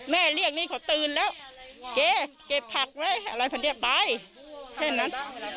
เรียกนี่เขาตื่นแล้วแกเก็บผักไว้อะไรแบบนี้ไปแค่นั้น